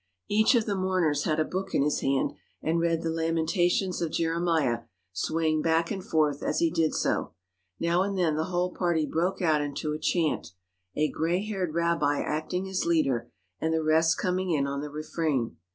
Each of the mourners had a book in his hand and read the Lamentations of Jeremiah, swaying back and forth as he did so. Now and then the whole party broke out into a chant, a gray haired rabbi acting as leader and the rest coming in on the refrain.